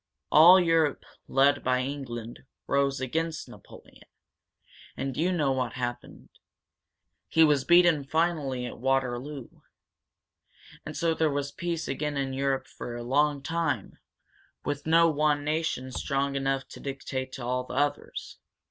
All Europe, led by England, rose against Napoleon. And you know what happened. He was beaten finally at Waterloo. And so there was peace again in Europe for a long time, with no one nation strong enough to dictate to all the others."